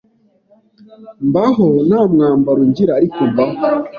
mbaho nta mwambaro ngira ariko mbaho